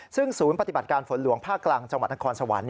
ซึ่งศูนย์ปฏิบัติการฝนหลวงภาคกลางจังหวัดนครสวรรค์